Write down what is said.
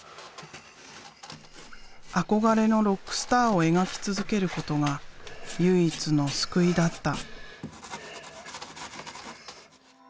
憧れのロックスターを描き続けることが唯一の救いだった。